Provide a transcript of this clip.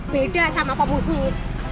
beda sama pak muhyiddin